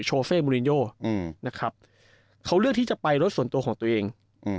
โฟเฟ่มูลินโยนะครับเขาเลือกที่จะไปรถส่วนตัวของตัวเอง